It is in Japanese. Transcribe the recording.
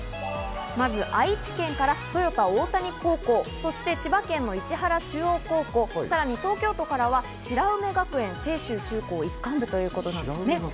まず愛知県から豊田大谷高校、そして千葉県の市原中央高校、さらに東京都からは白梅学園清修中高一貫部ということです。